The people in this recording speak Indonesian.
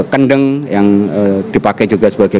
kendeng yang dipakai juga sebagai